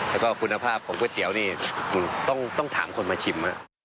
แล้วก็คุณภาพของก๋วยเตี๋ยวนี่ต้องถามคนมาชิม